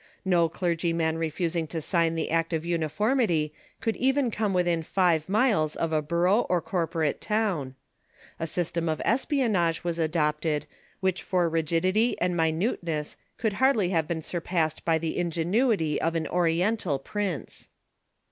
Xo clergyman refusing to sign the Act of Uniform ity could even come within five miles of a borough or corpo rate town. A system of espionage was adopted which for rig idity and minuteness could hardly have been surpassed by the ingenuity of an Oriental prince.